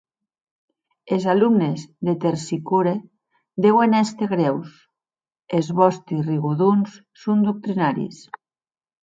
Es alumnes de Tersicore deuen èster grèus, es vòsti rigodons son doctrinaris.